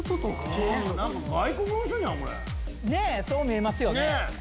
そう見えますよね。